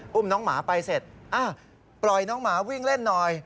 อุ้มน้องหมาไปเสร็จปล่อยน้องหมาวิ่งเล่นหน่อย